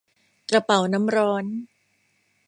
กระเป๋าน้ำร้อน